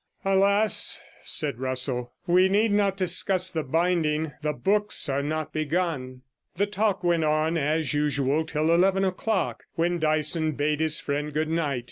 'Alas !' said Russell, 'we need not discuss the binding the books are not begun.' 103 The talk went on as usual till eleven o'clock, when Dyson bade his friend good night.